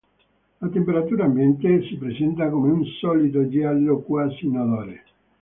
A temperatura ambiente si presenta come un solido giallo quasi inodore.